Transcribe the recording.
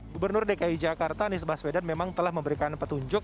gubernur dki jakarta anies baswedan memang telah memberikan petunjuk